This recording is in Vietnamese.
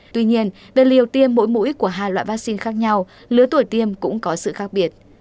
tuy nhiên bên liều tiêm mỗi mũi của hai loại vaccine khác nhau lứa tuổi tiêm cũng có sự khác biệt